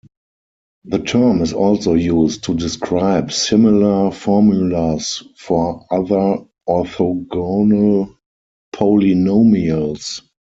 The term is also used to describe similar formulas for other orthogonal polynomials.